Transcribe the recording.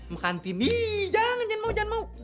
makantin jangan mau